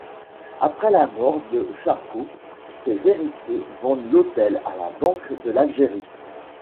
Après la mort de Charcot, ses héritiers vendent l’hôtel à la Banque de l'Algérie.